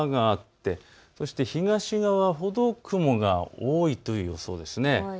昼も西側ほど晴れ間があってそして東側ほど雲が多いという予想です。